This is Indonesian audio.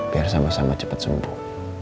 biar sama sama cepat sembuh